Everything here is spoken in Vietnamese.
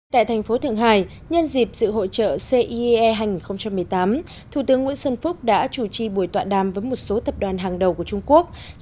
tại thành phố thượng hải nhân dịp dự hội trợ ce hai nghìn một mươi tám thủ tướng nguyễn xuân phúc đã chủ trì buổi tọa đàm với một số tập đoàn hàng đầu của trung quốc